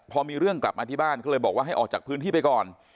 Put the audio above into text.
พอมีเรื่องกลับมาที่บ้านก็เลยบอกว่าให้ออกจากพื้นที่ไปก่อน